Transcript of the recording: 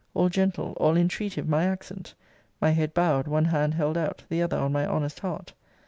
All gentle, all intreative, my accent. My head bowed one hand held out the other on my honest heart.